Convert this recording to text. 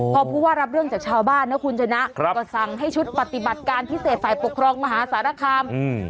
พอผู้ว่ารับเรื่องจากชาวบ้านนะคุณชนะก็สั่งให้ชุดปฏิบัติการพิเศษฝ่ายปกครองมหาสารคาม